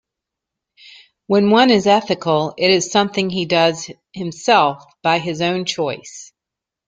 When one is ethical, it is something he does himself by his own choice.